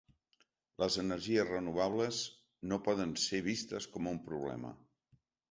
Les energies renovables no poden ser vistes com un problema.